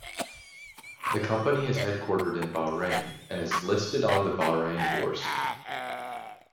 The company is headquartered in Bahrain and is listed on the Bahrain Bourse.